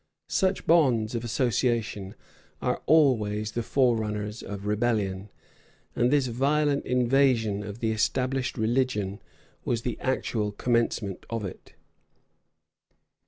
[] Such bonds of association are always the fore runners of rebellion; and this violent invasion of the established religion was the actual commencement of it.